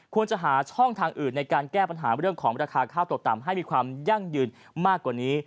ควรจะหาช่องทางอื่นในการแก้ปัญหาเรื่องของราคาข้าวตกต่ำให้มีความยั่งยืนมากกว่านี้